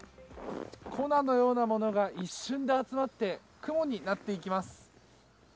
粉のようなものが一瞬で集まって雲になっていきます。